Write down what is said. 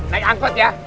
naik angkut ya